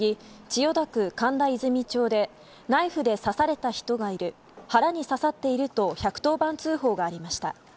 千代田区神田和泉町でナイフで刺された人がいる腹に刺さっていると１１０番通報がありました。